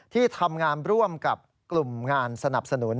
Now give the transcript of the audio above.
ที่ทำงานร่วมกับกลุ่มงานสนับสนุน